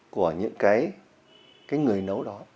của những người nấu đó